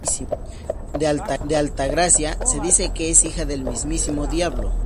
De Altagracia, se dice que es hija del mismísimo diablo.